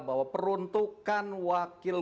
bahwa peruntukan wakil